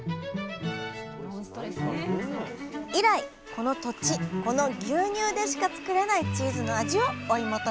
以来この土地この牛乳でしか作れないチーズの味を追い求めています